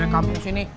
cewek kampung sini